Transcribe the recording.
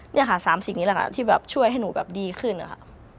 นี่ค่ะ๓สิ่งนี้แหละค่ะที่ช่วยให้หนูดีขึ้นค่ะ